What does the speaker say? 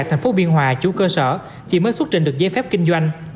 thành phố biên hòa chủ cơ sở chỉ mới xuất trình được giấy phép kinh doanh